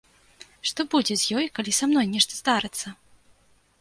Што будзе з ёй, калі са мной нешта здарыцца?